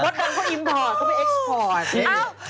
ดันเขาอิมพอร์ตเขาไปเอ็กซ์พอร์ตสิ